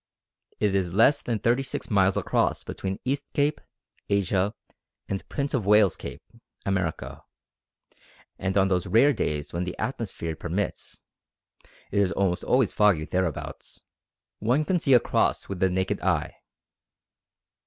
It is less than 36 miles across between East Cape, Asia, and Prince of Wales's Cape, America; and on those rare days when the atmosphere permits (it is almost always foggy thereabouts), one can see across with the naked eye.